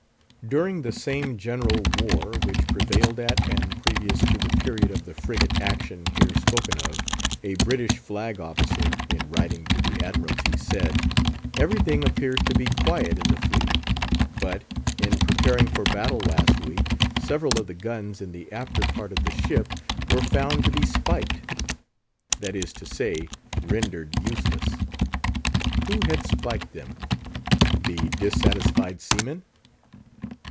During the same general war which prevailed at and previous to the period of the frigate action here spoken of, a British flag officer, in writing to the Admiralty, said, "Everything appears to be quiet in the fleet; but, in preparing for battle last week, several of the guns in the after part of the ship were found to be spiked;" that is to say, rendered useless. Who had spiked them? The dissatisfied seamen.